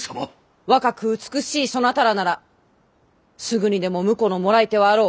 若く美しいそなたらならすぐにでも婿のもらい手はあろう。